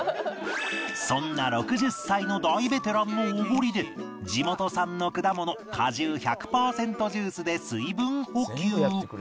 そんな６０歳の大ベテランのおごりで地元産の果物果汁１００パーセントジュースで水分補給